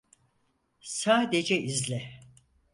Sadece izle.